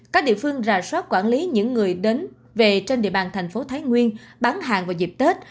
các địa phương rà soát quản lý những người đến về trên địa bàn thành phố thái nguyên bán hàng vào dịp tết